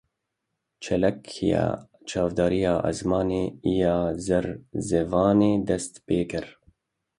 Çalakiya Çavdêriya Esmanî ya Zerzevanê dest pê kir.